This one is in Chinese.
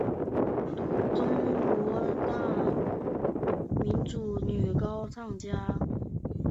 中国十大民族女高音歌唱家。